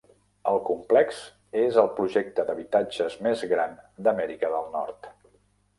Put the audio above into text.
El complex és el projecte d'habitatges més gran d'Amèrica del Nord.